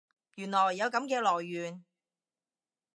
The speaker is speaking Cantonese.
原來有噉嘅來源